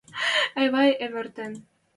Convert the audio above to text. Эвай ӹвӹртен.